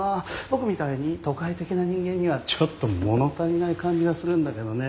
僕みたいに都会的な人間にはちょっと物足りない感じがするんだけどね。